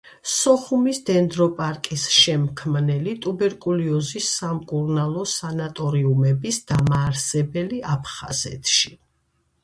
სოხუმის დენდროპარკის შემქმნელი, ტუბერკულოზის სამკურნალო სანატორიუმების დამაარსებელი აფხაზეთში.